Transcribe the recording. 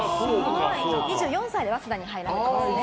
２４歳で早稲田に入られてます。